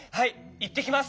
いってきます！